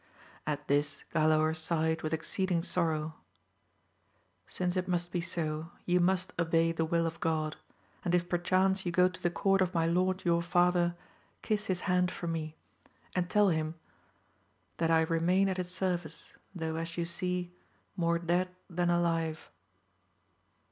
At this Galaor sighed with ex ceeding sorrow, — Since it must be so, you must obey the will of God, and if perchance you go to the court of my lord your father, kiss his hand for me, and tell 140 AMADIS OF GAUL, bim that I remain at his service, though as you see, more dead than alive.